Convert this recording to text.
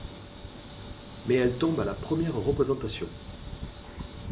Mais elle tombe à la première représentation.